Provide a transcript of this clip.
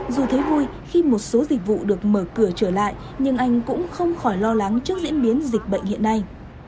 dù thấy vui khi một số dịch vụ được mở cửa trở lại nhưng anh cũng không khỏi lo lắng trước diễn biến dịch bệnh hiện nay